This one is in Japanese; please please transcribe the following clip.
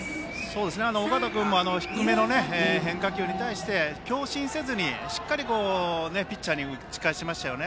尾形君も低めの変化球に対し強振せずに、しっかりピッチャーに打ち返していました。